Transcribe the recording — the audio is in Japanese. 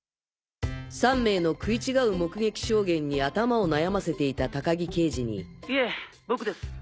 ３名の食い違う目撃証言に頭を悩ませていた高木刑事にいえ僕です